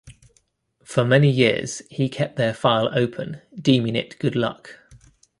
For many years, he kept their file open, deeming it good luck.